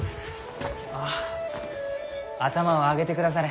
あ頭を上げてくだされ。